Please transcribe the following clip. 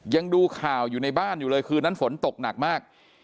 ยังดูข่าวอยู่ในบ้านอยู่เลยคืนนั้นฝนตกหนักมาก